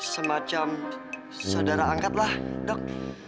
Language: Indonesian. semacam saudara angkatlah dok